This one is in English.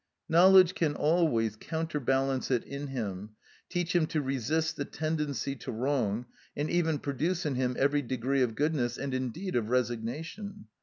Knowledge can always counterbalance it in him, teach him to resist the tendency to wrong, and even produce in him every degree of goodness, and indeed of resignation.